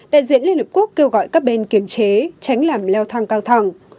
đại diện liên hợp quốc kêu gọi các bên kiểm chế tránh làm leo thang cao thẳng